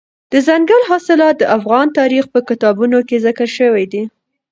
دځنګل حاصلات د افغان تاریخ په کتابونو کې ذکر شوی دي.